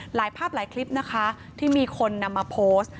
หลายภาพหลายคลิปนะคะที่มีคนนำมาโพสต์